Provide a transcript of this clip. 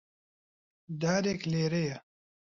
دارێک لێرەیە.